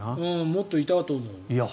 もっといたと思う。